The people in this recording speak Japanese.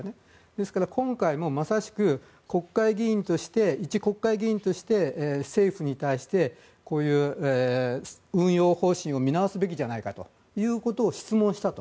ですから、今回もまさしく一国会議員として政府に対してこういう運用方針を見直すべきじゃないかということを質問したと。